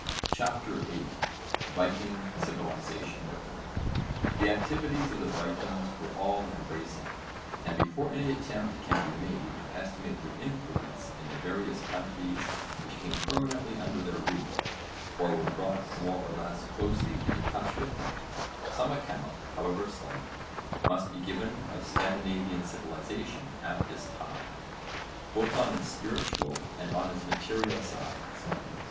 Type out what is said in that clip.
CHAPTER VIII VIKING CIVILISATION The activities of the Vikings were all embracing, and before any attempt can be made to estimate their influence in the various countries which came permanently under their rule, or were brought more or less closely into touch with them, some account, however slight, must be given of Scandinavian civilisation at this time, both on its spiritual and on its material sides.